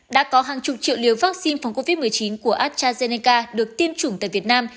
đã có hàng chục triệu liều vaccine phòng covid một mươi chín của astrazeneca được tiêm chủng tại việt nam